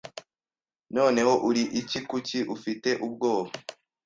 Noneho uri iki Kuki ufite ubwoba